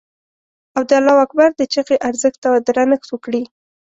او د الله اکبر د چیغې ارزښت ته درنښت وکړي.